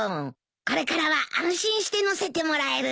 これからは安心して乗せてもらえるね。